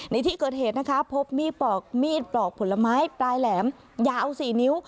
ในที่เกิดเหตุนะคะพบมีดปอกมีดปลอกผลไม้ปลายแหลมยาว๔นิ้ว